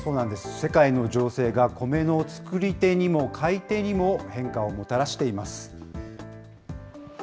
世界の情勢がコメの作り手にも買い手にも変化をもたらしています。